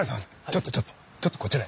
ちょっとちょっとちょっとこちらへ。